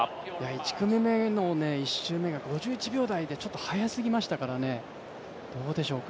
１組目の１周目が５１秒目でちょっと速すぎましたからどうでしょうか。